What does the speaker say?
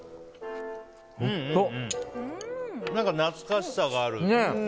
何か懐かしさがある。